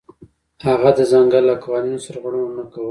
هغه د ځنګل له قوانینو سرغړونه نه کوله.